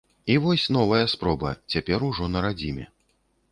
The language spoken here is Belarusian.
І вось новая спроба, цяпер ужо на радзіме.